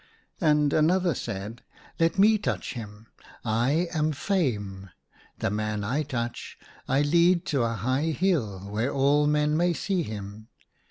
And another said. Let me touch him : I am Fame. The man I touch, I lead to a high hill where all men may see him.